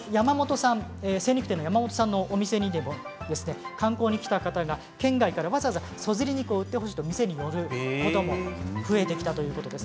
精肉店の山本さんのお店にも観光に来た方が県外からわざわざ、そずり肉を売ってほしいと、店に寄ることも増えてきたということです。